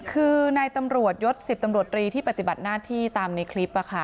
คือนายตำรวจยศ๑๐ตำรวจรีที่ปฏิบัติหน้าที่ตามในคลิป